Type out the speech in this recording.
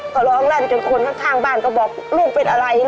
โปรดติดตามต่อไป